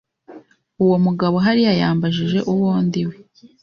Uwo mugabo hariya yambajije uwo ndiwe.